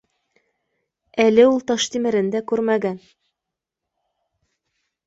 Әле ул Таштимерен дә күрмәгән